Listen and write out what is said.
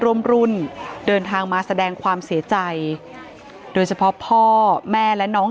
ร่วมรุ่นเดินทางมาแสดงความเสียใจโดยเฉพาะพ่อแม่และน้อง